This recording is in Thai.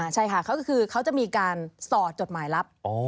ใช่ค่ะก็คือเขาจะมีการสอดจดหมายลับ